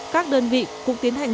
các đơn vị cũng tiến hành